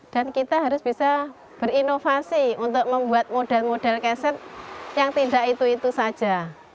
dan kita harus bisa berinovasi untuk membuat model model keset yang tidak itu itu saja